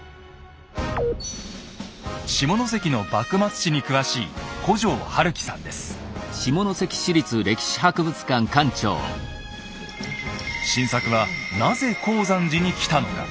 下関の幕末史に詳しい晋作はなぜ功山寺に来たのか。